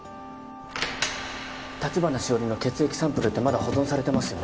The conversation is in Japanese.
橘しおりの血液サンプルってまだ保存されてますよね？